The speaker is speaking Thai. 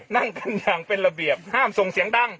นั่งกันอย่างเป็นระเบียบห้ามส่งเสียงดัง